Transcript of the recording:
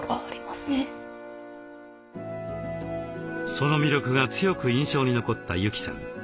その魅力が強く印象に残った由季さん。